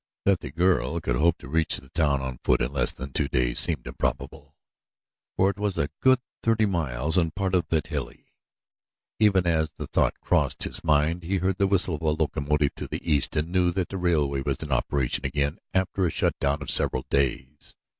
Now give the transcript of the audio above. That the girl could hope to reach the town on foot in less than two days seemed improbable, for it was a good thirty miles and part of it hilly. Even as the thought crossed his mind he heard the whistle of a locomotive to the east and knew that the railway was in operation again after a shutdown of several days.